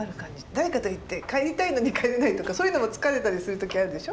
誰かと行って帰りたいのに帰れないとかそういうのも疲れたりする時あるでしょ？